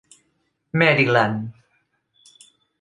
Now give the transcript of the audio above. Maryland.